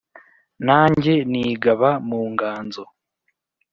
nanjye nigaba mu nganzo